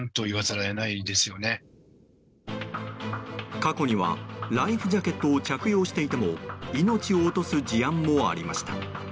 過去には、ライフジャケットを着用していても命を落とす事案もありました。